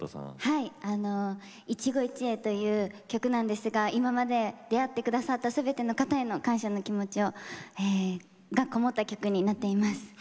はい「いちごいちえ」という曲なんですが今まで出会って下さったすべての方への感謝の気持ちがこもった曲になっています。